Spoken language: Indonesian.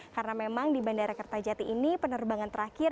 karena memang di bandara kertajati ini penerbangan terakhir